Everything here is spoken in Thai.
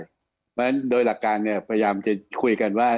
เพราะฉะนั้นโดยหลักการเนี่ยพยายามจะคุยกันว่า